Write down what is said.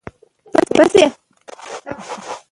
د معلولینو لاسنیوی وکړئ.